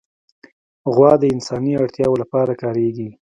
غوا د انساني اړتیاوو لپاره کارېږي.